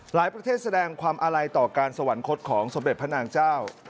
หลายประเทศแสดงความอาลัยต่อการสวรรคตของสมเด็จพระนางเจ้า